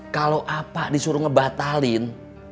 kalau apa disuruh ngebatalin